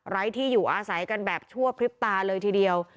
ที่อยู่อาศัยกันแบบชั่วพริบตาเลยทีเดียว